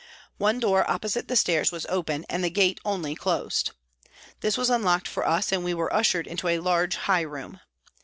One door opposite the stairs was open and the gate only closed. This was unlocked for us and we were ushered into a large high room.